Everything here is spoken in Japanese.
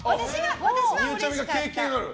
によちゃみが経験ある？